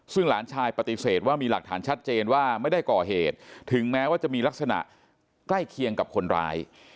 ซึ่งหลานชายปฏิเสธว่ามีหลักฐานชัดเจนว่าไม่ได้ก่อเหตุถึงแม้ว่าจะมีลักษณะใกล้เคียงกับคนร้าย